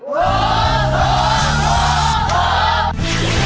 โทษ